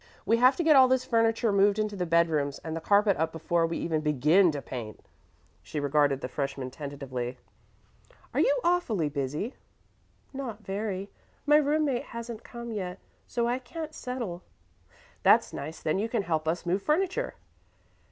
We have to get all this furniture moved into the bedrooms and the carpet up before we even begin to paint." She regarded the freshman tentatively. "Are you awfully busy?" "Not very. My room mate hasn't come yet, so I can't settle." "That's nice; then you can help us move furniture."